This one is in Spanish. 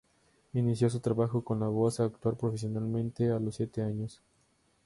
Inició su trabajo con la voz a actuar profesionalmente a los siete años.